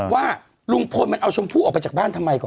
ว่าลุงพลมันเอาชมพู่ออกไปจากบ้านทำไม